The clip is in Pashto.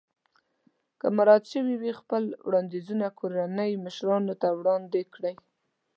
که مراعات شوي وي خپل وړاندیزونه کورنۍ مشرانو ته وړاندې کړئ.